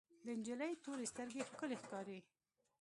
د انجلۍ تورې سترګې ښکلې ښکاري.